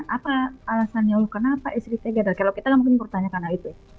apa alasannya kenapa istri tiga kalau kita mungkin bertanya karena itu ya